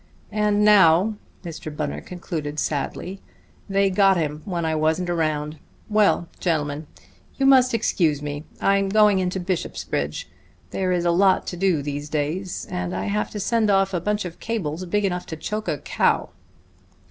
And now," Mr. Bunner concluded sadly, "they got him when I wasn't around. Well, gentlemen, you must excuse me. I am going in to Bishopsbridge. There is a lot to do these days, and I have to send off a bunch of cables big enough to choke a cow."